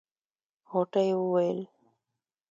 غوټۍ وويل.